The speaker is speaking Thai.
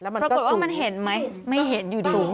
ปรากฏว่ามันเห็นไหมไม่เห็นอยู่สูง